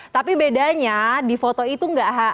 tapi bedanya di foto itu nggak